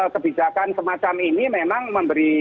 kebijakan semacam ini memang memberi